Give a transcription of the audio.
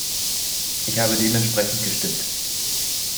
Ich habe dementsprechend gestimmt.